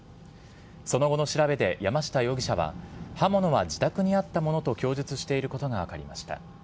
その後の調べで、山下容疑者は刃物は自宅にあったものと供述していることが分かりました。